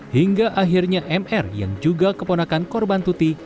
hingga akhirnya mr yang juga keponakan korban tuti